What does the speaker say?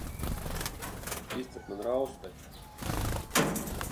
Izcep man rausi taču.